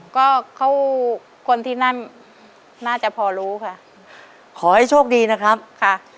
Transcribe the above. ก็เข้าคนที่นั่นน่าจะพอรู้ค่ะขอให้โชคดีนะครับค่ะ